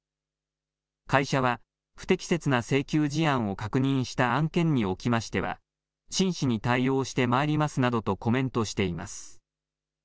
会社は、不適切な請求事案を確認した案件におきましては真摯に対応してまいりますなどとコメントしています。